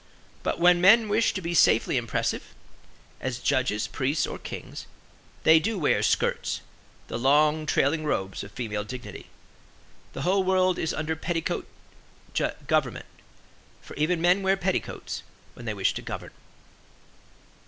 But when men wish to be safely impressive, as judges, priests or kings, they do wear skirts, the long, trailing robes of female dignity The whole world is under petticoat government; for even men wear petticoats when they wish to govern.